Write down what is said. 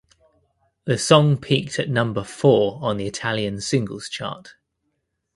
The song peaked at number four on the Italian Singles Chart.